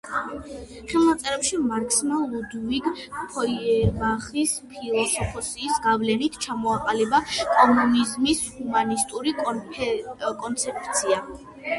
ხელნაწერებში მარქსმა, ლუდვიგ ფოიერბახის ფილოსოფიის გავლენით, ჩამოაყალიბა კომუნიზმის ჰუმანისტური კონცეფცია.